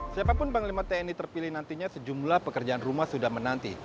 siapapun panglima tni terpilih nantinya sejumlah pekerjaan rumah sudah menanti